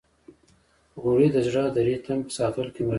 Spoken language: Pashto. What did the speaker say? غوړې د زړه د ریتم په ساتلو کې مرسته کوي.